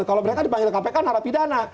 kalau mereka dipanggil kpk narapidana